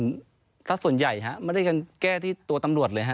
ประสบการณ์ส่วนใหญ่ฮะไม่ได้การแก้ที่ตัวตำรวจเลยฮะ